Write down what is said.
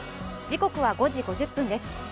時刻は５時５０分です。